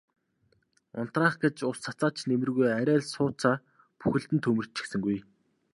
Унтраах гэж ус цацаад ч нэмэргүй арай л сууцаа бүхэлд нь түймэрдчихсэнгүй.